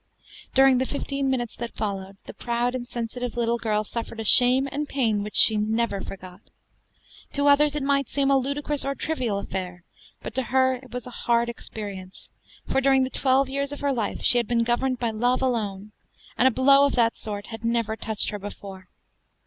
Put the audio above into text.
During the fifteen minutes that followed, the proud and sensitive little girl suffered a shame and pain which she never forgot. To others it might seem a ludicrous or trivial affair, but to her it was a hard experience; for during the twelve years of her life she had been governed by love alone, and a blow of that sort had never touched her before.